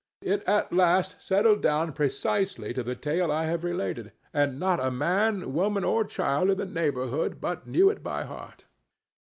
It at last settled down precisely to the tale I have related, and not a man, woman, or child in the neighborhood, but knew it by heart.